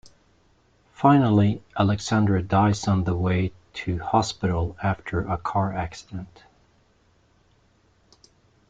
Finally, Alexandre dies on the way to hospital after a car accident.